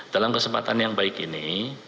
dalam kesempatan yang baik ini